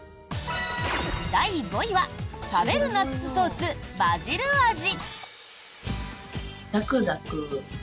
第５位は食べるナッツソースバジル味。